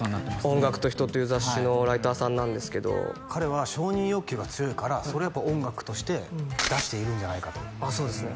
「音楽と人」という雑誌のライターさんなんですけど彼は承認欲求が強いからそれをやっぱ音楽として出しているんじゃないかとそうですね